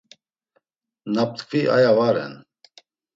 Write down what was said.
Na ptkvi aya va ren.